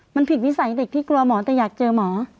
มันผิดวิสัยเด็กที่กลัวหมอแต่อยากเจอหมอ